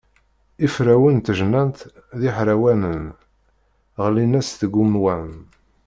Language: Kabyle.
Iferrawen n tejnant d ihrawanen, ɣellin-as deg umwan.